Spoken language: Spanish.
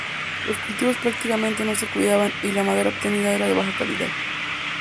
Los cultivos prácticamente no se cuidaban y la madera obtenida era de baja calidad.